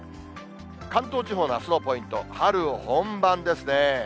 関東地方のあすのポイント、春本番ですね。